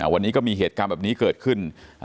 วันนี้ก็มีเหตุการณ์แบบนี้เกิดขึ้น